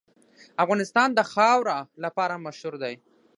افغانستان د خاوره لپاره مشهور دی.